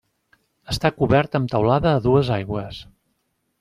Està cobert amb teulada a dues aigües.